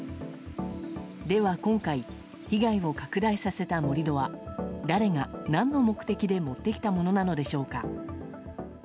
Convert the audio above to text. では、今回被害を拡大させた盛り土は誰が何の目的で持ってきたものなのでしょうか。